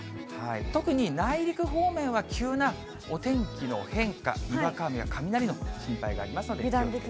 特に内陸方面は急なお天気の変化、にわか雨や雷の心配がありますので。